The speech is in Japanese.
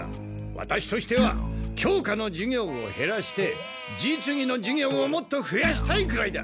ワタシとしては教科の授業をへらして実技の授業をもっとふやしたいくらいだ！